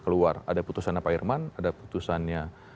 keluar ada putusannya pak irman ada putusannya